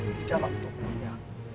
di dalam tubuhnya